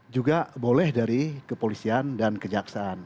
juga boleh dari kepolisian dan kejaksaan